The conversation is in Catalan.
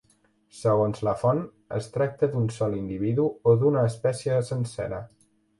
Segons la font, es tracta d'un sol individu o d'una espècie sencera.